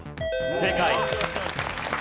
正解。